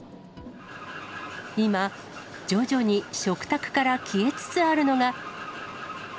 今、徐々に食卓から消えつつあるのが。